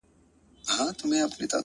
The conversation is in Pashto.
كه څه هم تور پاته سم سپين نه سمه-